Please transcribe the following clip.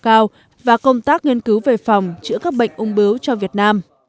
cao và công tác nghiên cứu về phòng chữa các bệnh ung bướu cho việt nam